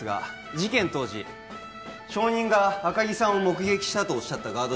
事件当時証人が赤木さんを目撃したとおっしゃったガード